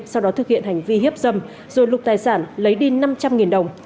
sau đó thực hiện hành vi hiếp dâm rồi lục tài sản lấy đi năm trăm linh đồng